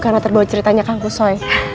karena terbawa ceritanya kangkus soy